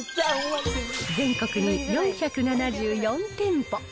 全国に４７４店舗。